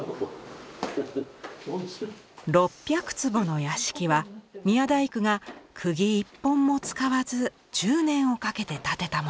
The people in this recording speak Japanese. ６００坪の屋敷は宮大工が釘１本も使わず１０年をかけて建てたもの。